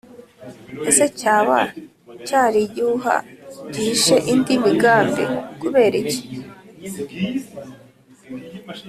ese cyaba cyari igihuha gihishe indi migambi? kubera iki?